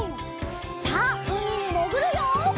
さあうみにもぐるよ！